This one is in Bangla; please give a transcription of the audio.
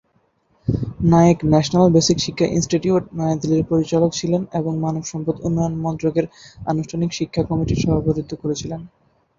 নায়েক ন্যাশনাল বেসিক শিক্ষা ইনস্টিটিউট, নয়াদিল্লির পরিচালক ছিলেন এবং মানবসম্পদ উন্নয়ন মন্ত্রকের আনুষ্ঠানিক শিক্ষা কমিটির সভাপতিত্ব করেছিলেন।